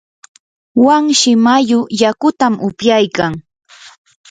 wanshi mayu yakutam upyaykan.